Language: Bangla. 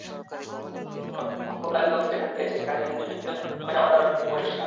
অন্যান্য সম্প্রদায়ের লোক যেখানে বেড়েছে, সেখানে হিন্দু জনসংখ্যা কমে যাওয়ার কারণটি পরিষ্কার।